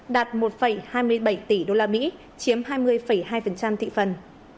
đạt một hai mươi bảy tỷ đô la mỹ chiếm hai mươi hai thị phần